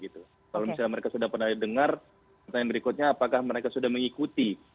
kalau misalnya mereka sudah pernah dengar pertanyaan berikutnya apakah mereka sudah mengikuti